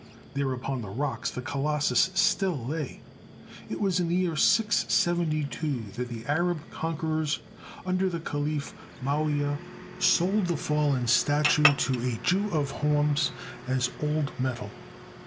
There upon the rocks the Colossus still lay. It was in the year 672 that the Arab conquerers, under the Caliph Moawia, sold the fallen statue to a Jew of Horns as old metal.